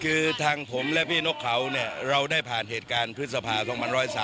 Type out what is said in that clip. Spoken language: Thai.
คือทางผมและพี่นกเขาเนี่ยเราได้ผ่านเหตุการณ์พฤษภา๒๑๓